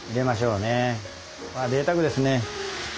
うわぜいたくですね。